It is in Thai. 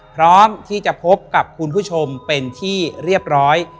พร้อมที่จะพบกับคุณผู้ชมเป็นที่เรียบร้อย